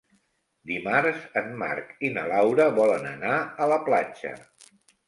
Dimarts en Marc i na Laura volen anar a la platja.